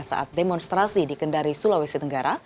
saat demonstrasi di kendari sulawesi tenggara